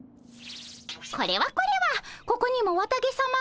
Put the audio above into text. これはこれはここにも綿毛さまが。